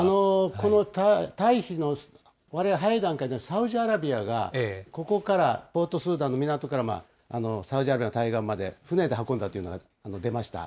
この退避、割と早い段階でサウジアラビアがここからポートスーダンの港から、サウジアラビアの港まで船で運んだというのが出ました。